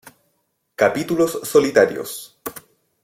Capítulos solitarios.